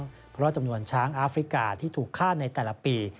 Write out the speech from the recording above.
เพราะจำนวนช้างอาฟริกาที่ถูกฆ่าในแต่ละปี